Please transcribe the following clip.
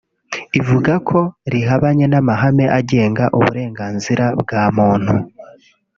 ivuga ko rihabanye n’amahame agenga uburenganzira bwa muntu